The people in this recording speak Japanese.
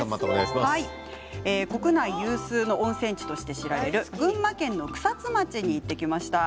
国内有数の温泉地と知られる群馬県の草津町に行ってきました。